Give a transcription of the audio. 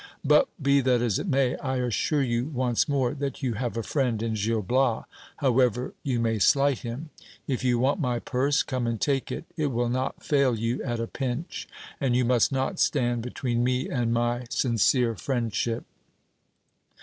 But be that as it may, I assure you once more, that you have a friend in Gil Bias, however you may slight him : if you want my purse, come and take it : it will not fail you at a pinch ; and you must not stand between me and my sincere friendship.